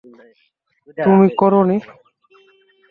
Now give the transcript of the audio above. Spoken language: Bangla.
তুমি করোনি।